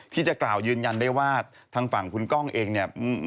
ที่จะกล่าวยืนยันได้ว่าทางฝั่งคุณก้องเองเนี่ย